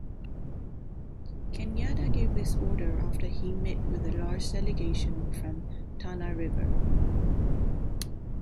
Kenyatta gave this order after he met with a large delegation from Tana River.